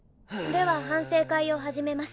では反省会を始めます。